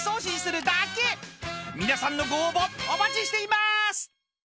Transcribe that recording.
［皆さんのご応募お待ちしていまーす！］